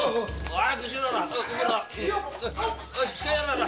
早くしろよ！